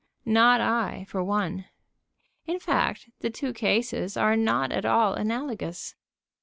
Not I, for one.... In fact, the two cases are not at all analogous.